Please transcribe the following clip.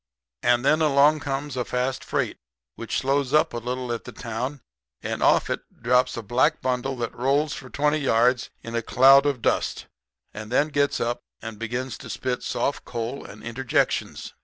"And then along comes a fast freight which slows up a little at the town; and off of it drops a black bundle that rolls for twenty yards in a cloud of dust and then gets up and begins to spit soft coal and interjections.